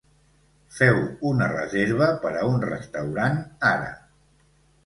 Feu una reserva per a un restaurant ara.